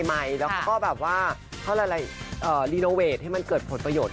ให้มันเกิดผลประโยชน์